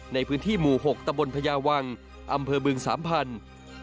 ในพื้นที่หมู่๖ตะบนพญาวังอำเภอบึงสามพันธุ์